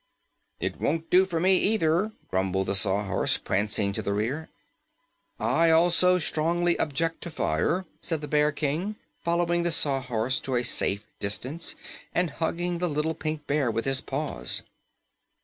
"It won't do for me either," grumbled the Sawhorse, prancing to the rear. "I also strongly object to fire," said the Bear King, following the Sawhorse to a safe distance and hugging the little Pink Bear with his paws.